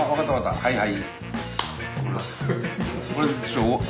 はいはい。